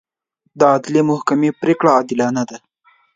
د عدلي محکمې پرېکړې عادلانه دي.